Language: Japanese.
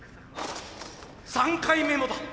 ３回目もだ。